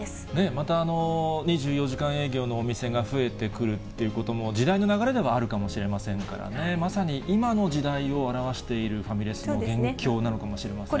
また、２４時間営業のお店が増えてくるっていうことも、時代の流れではあるかもしれませんからね、まさに今の時代を表しているファミレスの現況なのかもしれません。